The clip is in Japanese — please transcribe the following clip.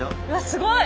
すごい！